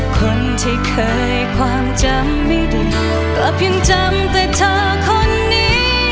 คนที่เคยความจำไม่ถูกก็เพียงจำแต่เธอคนนี้